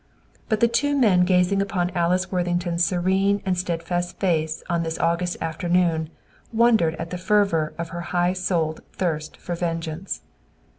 But the two men gazing upon Alice Worthington's serene and steadfast face on this August afternoon wondered at the fervor of her high souled thirst for vengeance.